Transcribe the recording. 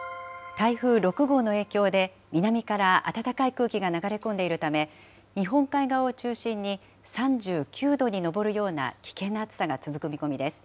台風６号の影響で、南から暖かい空気が流れ込んでいるため、日本海側を中心に３９度に上るような危険な暑さが続く見込みです。